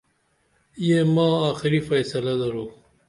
یہ ماں آخری فیصلہ درو